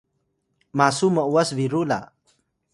masu m’was biru la